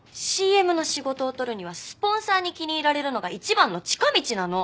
ＣＭの仕事を取るにはスポンサーに気に入られるのが一番の近道なの！